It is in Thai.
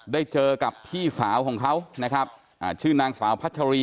ได้เจอกับพี่สาวของเขานะครับอ่าชื่อนางสาวพัชรี